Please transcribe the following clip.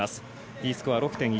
Ｅスコア６．１。